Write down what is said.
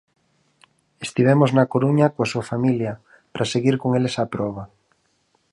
Estivemos na Coruña, coa súa familia, para seguir con eles a proba.